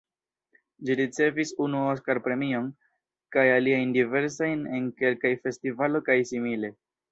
Ĝi ricevis unu Oskar-premion kaj aliajn diversajn en kelkaj festivaloj kaj simile.